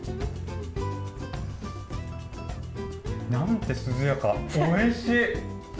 なんて涼やか、おいしい。